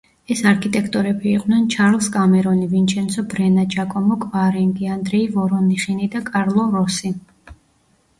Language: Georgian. ეს არქიტექტორები იყვნენ: ჩარლზ კამერონი, ვინჩენცო ბრენა, ჯაკომო კვარენგი, ანდრეი ვორონიხინი და კარლო როსი.